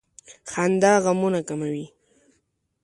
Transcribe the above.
• خندا غمونه کموي.